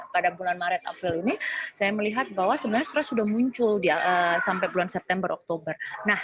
pada bulan maret april ini saya melihat bahwa sebenarnya stres sudah muncul sampai bulan september oktober